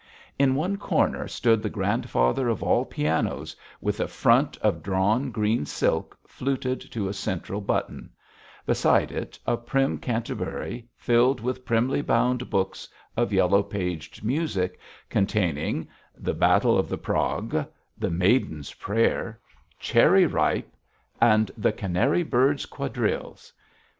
In one corner stood the grandfather of all pianos, with a front of drawn green silk fluted to a central button; beside it a prim canterbury, filled with primly bound books of yellow paged music, containing, 'The Battle of the Prague,' 'The Maiden's Prayer,' 'Cherry Ripe,' and 'The Canary Bird's Quadrilles.'